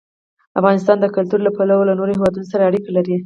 افغانستان د کلتور له پلوه له نورو هېوادونو سره اړیکې لري.